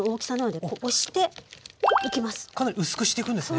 かなり薄くしていくんですね。